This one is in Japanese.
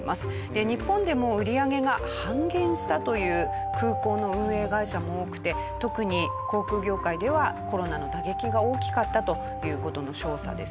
で日本でも売り上げが半減したという空港の運営会社も多くて特に航空業界ではコロナの打撃が大きかったという事の証左ですよね。